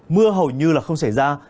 mưa hầu như là không xảy ra